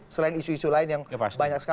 selain isu isu lain yang banyak sekali